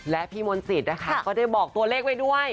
และพี่มนต์สิทธิ์นะคะก็ได้บอกตัวเลขไว้ด้วย